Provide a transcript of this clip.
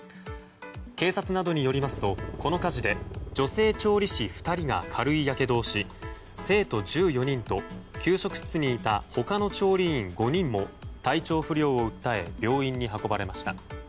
警察などによりますとこの火事で女性調理師２人が軽いやけどをし生徒１４人と給食室にいたほかの料理員５人も体調不良を訴え病院に運ばれました。